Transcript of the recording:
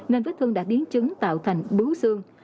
nên vết thương đã biến chứng tạo thành bú xương